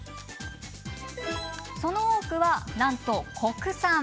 その多くはなんと国産。